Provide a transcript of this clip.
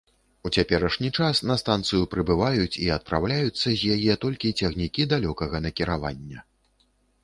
У цяперашні час на станцыю прыбываюць і адпраўляюцца з яе толькі цягнікі далёкага накіравання.